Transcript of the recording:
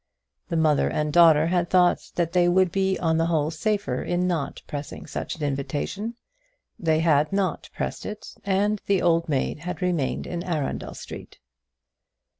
The mother and daughter had thought that they would be on the whole safer in not pressing any such invitation. They had not pressed it, and the old maid had remained in Arundel Street.